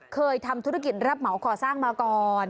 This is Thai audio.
เคยทำธุรกิจรับเหมาก่อสร้างมาก่อน